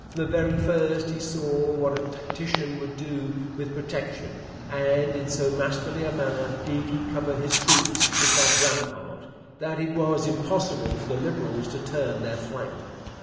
From the very first he saw what a tactician would do with Protection, and in so masterly a manner did he cover his troops with that rampart, that it was impossible for the Liberals to turn their flank.'